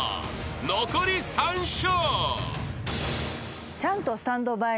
［残り３笑］